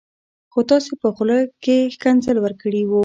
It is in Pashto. خو تاسي په خوله کي ښکنځل ورکړي و